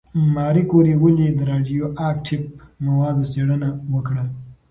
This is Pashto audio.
ماري کوري ولې د راډیواکټیف موادو څېړنه وکړه؟